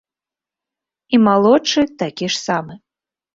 І малодшы такі ж самы.